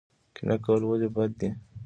کینه کول ولې بد دي؟